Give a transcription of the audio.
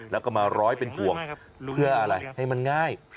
แล้วก็มาร้อยเป็นห่วงเพื่ออะไรให้มันง่าย